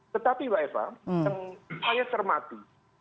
tetapi mbak eva yang saya cermati